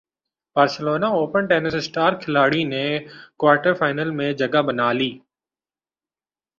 Barcelona open tennis star کھلاڑی نے quarter final میں جگہ بنا لی